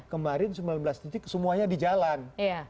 kemarin sembilan belas titik semuanya di jalan